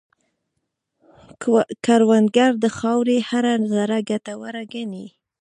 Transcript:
کروندګر د خاورې هره ذره ګټوره ګڼي